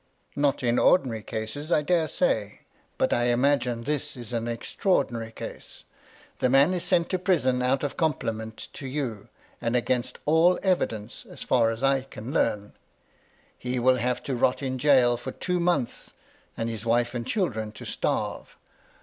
" Not in ordinary cases, I dare say. But I imagine this is an extraordinay case. The man is sent to prison out of compliment to you, and against all evidence, as far as I can learn. He will have to rot in gaol for two months, and his wife and children to starve.